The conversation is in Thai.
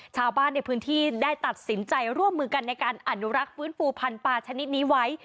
ชาวบ้านในพื้นที่ได้ตัดสินใจร่วมมือกันในการอนุรักษ์ฟื้นฟูพันธุปลาชนิดนี้ไว้